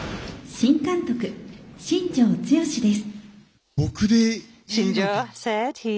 新監督、新庄剛志です。